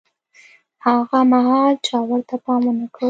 هاغه مهال چا ورته پام ونه کړ.